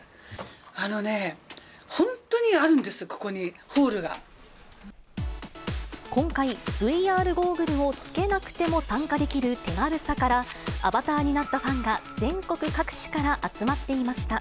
あのね、本当にあるんです、今回、ＶＲゴーグルをつけなくても参加できる手軽さから、アバターになったファンが、全国各地から集まっていました。